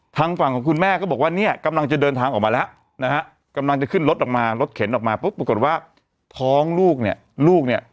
ทางฝั่งของคุณแม่ก็บอกว่าเนี่ยกำลังจะเดินทางออกมาแล้วนะฮะกำลังจะขึ้นรถออกมารถเข็นออกมาปุ๊บปรากฏว่าท้องลูกเนี่ยลูกเนี่ย